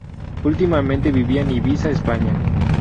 Últimamente vivía en Ibiza, España.